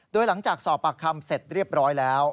โดยหลังจากสอบปากคำเสร็จเรียบร้อยแล้ว